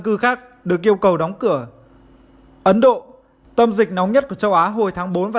cư khác được yêu cầu đóng cửa ấn độ tâm dịch nóng nhất của châu á hồi tháng bốn và